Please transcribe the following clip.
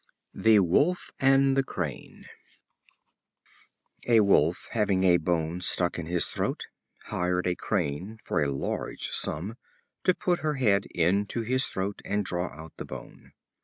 The Wolf and the Crane. A Wolf, having a bone stuck in his throat, hired a Crane, for a large sum, to put her head into his throat and draw out the bone.